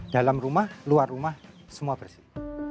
dalam rumah luar rumah semua bersih